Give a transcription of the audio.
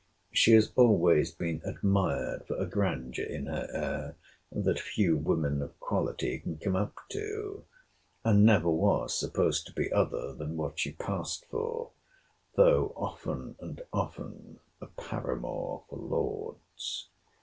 She has always been admired for a grandeur in her air, that few women of quality can come up to; and never was supposed to be other than what she passed for; though often and often a paramour for lords.